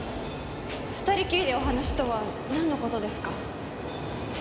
２人きりでお話とはなんの事ですか？